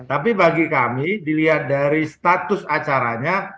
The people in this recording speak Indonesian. tapi bagi kami dilihat dari status acaranya